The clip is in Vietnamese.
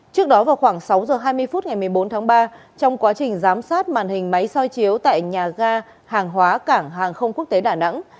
trước đó vào khoảng sáu h hai mươi phút ngày một mươi bốn tháng ba trong quá trình giám sát màn hình máy soi chiếu tại nhà ga hàng hóa cảng hàng không quốc tế đà nẵng